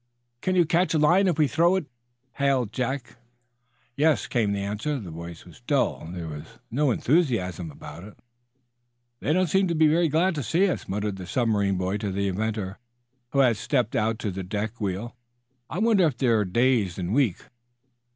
"Can you catch a line, if we throw it?" hailed Jack. "Yes," came the answer. The voice was dull. There was no enthusiasm about it. "They don't seem very glad to see us," muttered the submarine boy to the inventor, who had stepped out to the deck wheel. "I wonder if they're dazed and weak?"